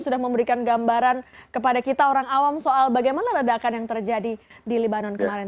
sudah memberikan gambaran kepada kita orang awam soal bagaimana ledakan yang terjadi di libanon kemarin